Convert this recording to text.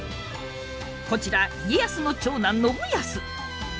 こちら家康の長男信康。